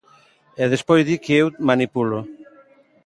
E despois di que eu manipulo.